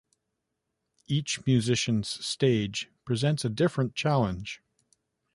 Each musician's stage presents a different challenge.